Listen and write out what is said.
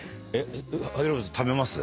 萩原さん食べます？